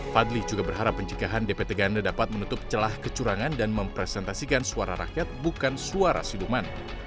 fadli juga berharap pencegahan dpt ganda dapat menutup celah kecurangan dan mempresentasikan suara rakyat bukan suara siduman